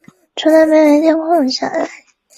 目前为斯里兰卡空军志愿军成员。